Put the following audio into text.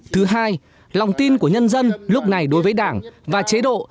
thứ hai lòng tin của nhân dân lúc này đối với đảng và chế độ